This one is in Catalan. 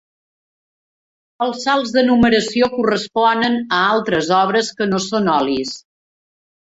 Els salts de numeració corresponen a altres obres que no són olis.